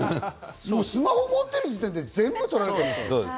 スマホを持ってる時点で全部取られています。